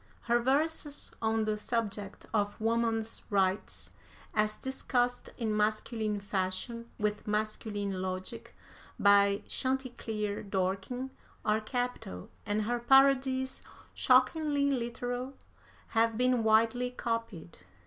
Her verses on the subject of Woman's Rights, as discussed in masculine fashion, with masculine logic, by Chanticleer Dorking, are capital, and her parodies, shockingly literal, have been widely copied.